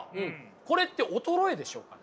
これって衰えでしょうかね？